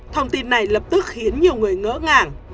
thông tin này lập tức khiến nhiều người ngỡ ngàng